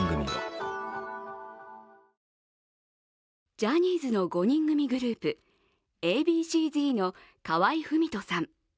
ジャニーズの５人組グループＡ．Ｂ．Ｃ−Ｚの河合郁人さん。